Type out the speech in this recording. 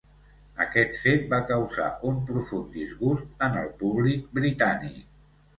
Aquest fet va causar un profund disgust en el públic britànic.